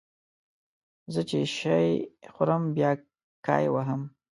زه چې شی خورم بیا کای وهم